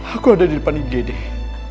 aku ada di depan ide deh